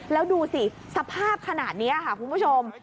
แล้วดูสิสภาพขนาดนี้ค่ะคุณผู้ชม